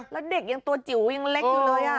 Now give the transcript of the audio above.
แล้วเด็กยังตัวจิ๋วยังเล็กอยู่เลย